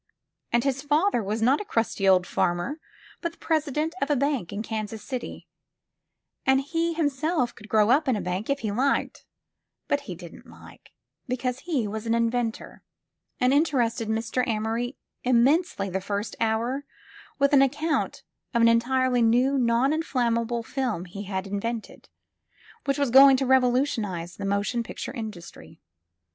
And his father was not a crusty old fanner, but the president of a bank in Kansas City ; and he him self could grow up in the bank, if he liked, but he didn't like, because he was an inventor, and interested Mr. Amory immensely, the first hour, with an account of an entirely new noninflammable film he had invented, which was going to revolutionize the motion picture industry.